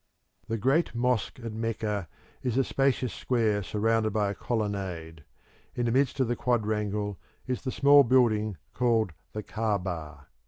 The Great Mosque at Mecca is a spacious square surrounded by a colonnade. In the midst of the quadrangle is the small building called the Caaba.